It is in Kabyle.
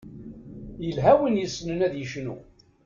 Yelha win yessnen ad yecnu.